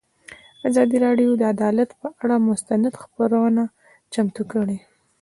ازادي راډیو د عدالت پر اړه مستند خپرونه چمتو کړې.